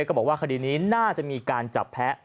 ก็บอกว่าคดีนี้น่าจะมีการจับแพ้